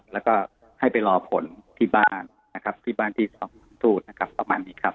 แล้วก็ให้ไปรอผลที่บ้านที่ท่านทูตนะครับประมาณนี้ครับ